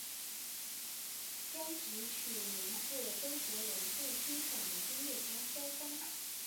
专辑取名自周杰伦最欣赏的音乐家萧邦。